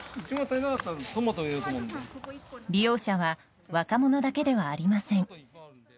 利用者は若者だけではありません。